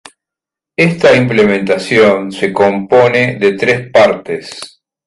Esta implementación se compone de tres partes.